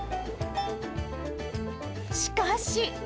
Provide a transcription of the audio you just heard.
しかし。